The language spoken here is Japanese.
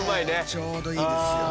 ちょうどいいですよね。